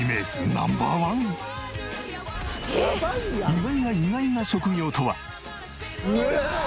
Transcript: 意外や意外な職業とは！？